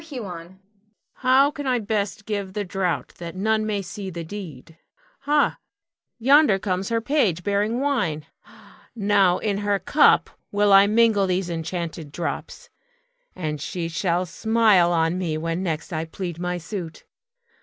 ] Huon. How can I best give the draught that none may see the deed? Ha! yonder comes her page, bearing wine. Now in her cup will I mingle these enchanted drops, and she shall smile on me when next I plead my suit.